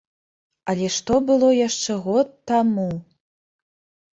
Але што было яшчэ год таму!